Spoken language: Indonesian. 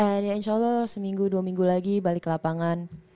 ya insya allah seminggu dua minggu lagi balik ke lapangan